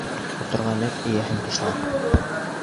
Ҡоторған эт эйәһен тешләр.